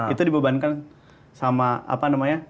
itu dibebankan sama apa namanya